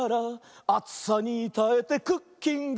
「あつさにたえてクッキング」